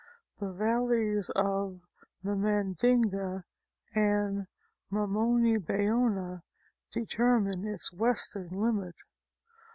The valleys of the Mandinga and Mamoni Bayano determine its western limit."